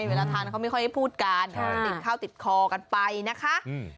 เวลาทานเขาไม่ค่อยได้พูดกันติดข้าวติดคอกันไปนะคะ